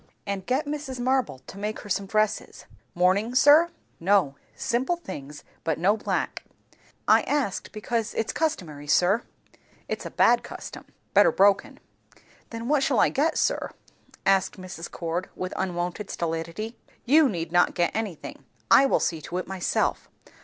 And get Mrs. Marble to make her some dresses." "Mourning, sir?" "No. Simple things, but no black." "I asked, because it's customary, sir." "It's a bad custom; better broken." "Then what shall I get, sir?" asked Mrs. Cord with unwonted stolidity. "You need not get anything. I will see to it myself.